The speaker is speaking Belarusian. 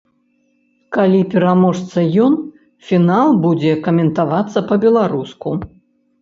Калі пераможа ён, фінал будзе каментавацца па-беларуску.